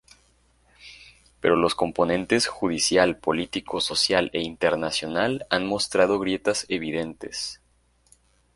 Pero los componentes judicial, político, social e internacional han mostrado grietas evidentes".